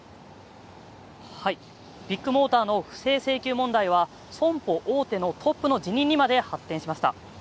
ビッグモーターの不正請求問題は損保大手のトップの辞任にまで発展しました。